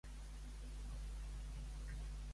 El Biel està calmat?